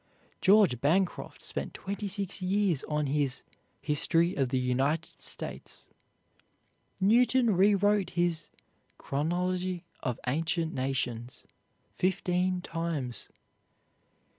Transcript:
George Bancroft spent twenty six years on his "History of the United States." Newton rewrote his "Chronology of Ancient Nations" fifteen times.